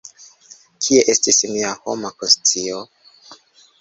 Kie estis mia homa konscio?